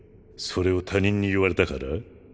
それを他人に言われたから？